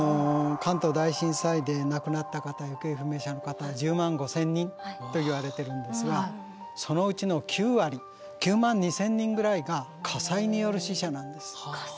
関東大震災で亡くなった方行方不明者の方１０万５，０００人といわれてるんですがそのうちの９割９万２，０００人ぐらいが火災による死者なんです。